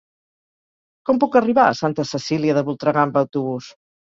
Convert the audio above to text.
Com puc arribar a Santa Cecília de Voltregà amb autobús?